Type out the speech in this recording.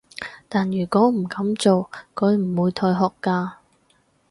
但如果唔噉做，佢唔會退學㗎